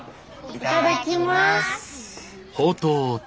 いただきます！